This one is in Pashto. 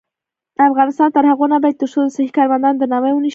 افغانستان تر هغو نه ابادیږي، ترڅو د صحي کارمندانو درناوی ونشي.